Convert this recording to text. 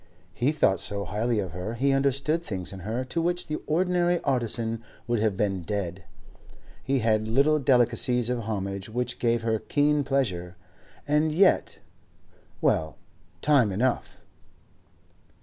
He thought so highly of her, he understood things in her to which the ordinary artisan would have been dead; he had little delicacies of homage which gave her keen pleasure. And yet—well, time enough!